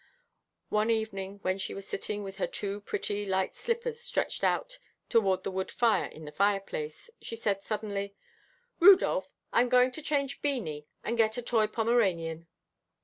One evening, when she was sitting with her two pretty, light slippers stretched out toward the wood fire in the fire place, she said suddenly, "Rudolph, I'm going to change Beanie and get a toy Pomeranian."